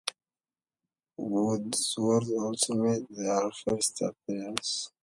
Woodsworth also made their first appearance.